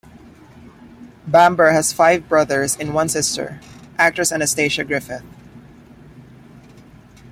Bamber has five brothers and one sister, actress Anastasia Griffith.